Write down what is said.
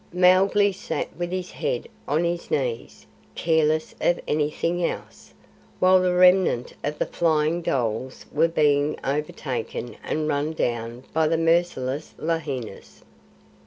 Mowgli sat with his head on his knees, careless of anything else, while the remnant of the flying dholes were being overtaken and run down by the merciless lahinis.